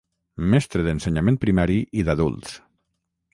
Mestre d'ensenyament primari i d'adults.